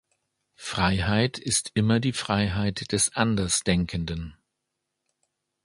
Freiheit ist immer die Freiheit des Andersdenkenden.